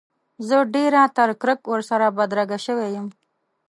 زه ډېره تر کرک ورسره بدرګه شوی یم.